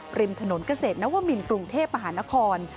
กริมถนนเกษตรนวรรมินตร์กรุงเทพฯอาหารนคร